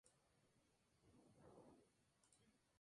Una vez terminada dicha tregua, puso sitio a Gibraltar.